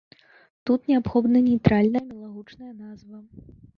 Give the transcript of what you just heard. Тут неабходна нейтральная мілагучная назва.